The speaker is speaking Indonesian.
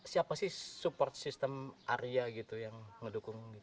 siapa sih support system area gitu yang ngedukung gitu